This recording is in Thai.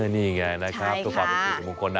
นี่ไงทุกขวับเป็นธุระมงคล